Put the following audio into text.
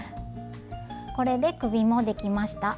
これで首もできました。